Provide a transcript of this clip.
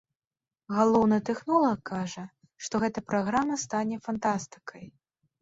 Галоўны тэхнолаг кажа, што гэта праграма стане фантастыкай.